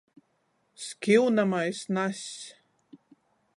Skiunamais nazs.